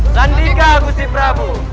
sandika kursi prabu